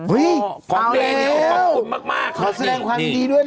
อุ้ยแล้วขอแสดงความรับ